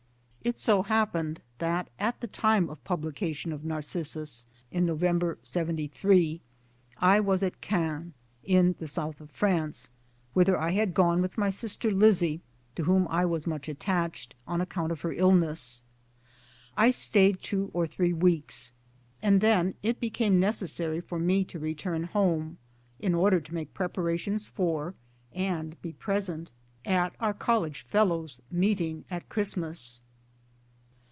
It so happened that at the time of publication of Narcissus, in November '73, I was at Cannes, in the South of France, whither I had gone with my sister Lizzie (to whom I was much attached) on account of her illness. I stayed two or three weeks, and then it became necessary for me to return home, in order to make preparations for and 1 be present at 7.2 MY DAYS AND DREAMS our College Fellows' meeting at Christinas.